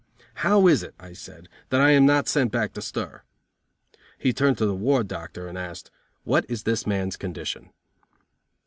"How is it," I said, "that I am not sent back to stir?" He turned to the ward doctor and asked: "What is this mans condition?"